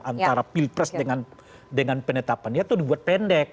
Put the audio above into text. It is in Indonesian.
antara pilpres dengan penetapan dia itu dibuat pendek